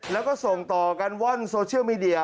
แล้วก็ส่งต่อกันว่อนโซเชียลมีเดีย